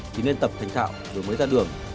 thì nên tập thành thạo rồi mới ra đường